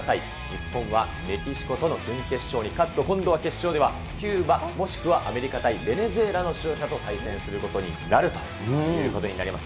日本はメキシコとの準決勝に勝つと、今度は決勝ではキューバ、もしくはアメリカ対ベネズエラの勝者と対戦することになるということになります。